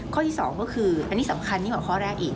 ข้อที่สองก็คืออันนี้สำคัญนี่แหละข้อแรกอีก